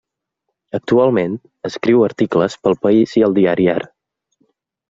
Actualment escriu articles pel País i el Diari Ara.